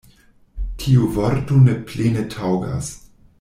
Tiu vorto ne plene taŭgas.